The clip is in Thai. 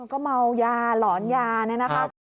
ก็เมายาหลอนยานะครับ